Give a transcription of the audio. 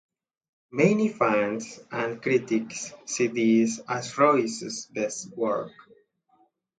Many fans and critics see this as Royce's best work.